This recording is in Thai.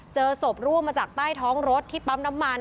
เจอศพร่วงมาจากใต้ท้องรถที่ปั๊มน้ำมัน